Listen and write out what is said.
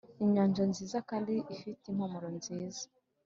inyanja nziza kandi ifite impumuro nziza,